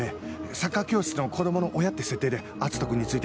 サッカー教室の子供の親って設定で篤斗君について。